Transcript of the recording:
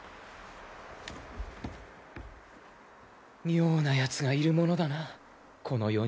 妙なやつがいるものだなこの世には。